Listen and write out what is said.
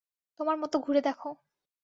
তোমার মত ঘুরে দেখো।